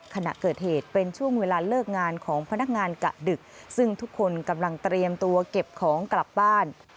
ขณะเกิดเหตุเป็นช่วงเวลาเลิกงานของพนักงานกะดึกซึ่งทุกคนกำลังเตรียมตัวเก็บของกลับบ้าน